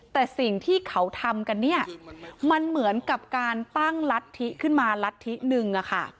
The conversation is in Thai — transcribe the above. แต่สิ่งที่เขาทำกันมันเหมือนกับการตั้งรัฐฐิขึ้นมารัฐฐินึง